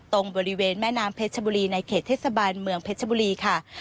ตรงบริเวณแม่น้ำเพชรชบุรีในเขตเทศบาลเมืองเพชรบุรีค่ะ